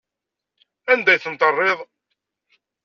Anda ay ten-terniḍ?